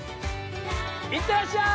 いってらっしゃい！